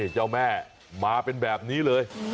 เจ้าแม่มาเป็นแบบนี้เลย